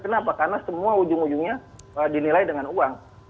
kenapa karena semua ujung ujungnya dinilai dengan uang